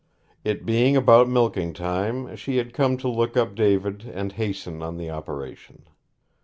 It being about milking time, she had come to look up David and hasten on the operation.